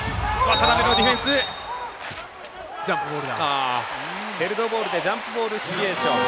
ヘルドボールでジャンプボールシチュエーション。